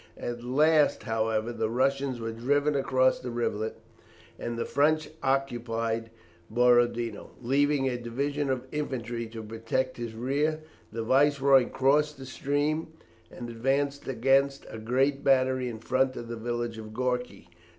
At last, however, the Russians were driven across the rivulet, and the French occupied Borodino. Leaving a division of infantry to protect his rear, the Viceroy crossed the stream and advanced against a great battery in front of the village of Gorki.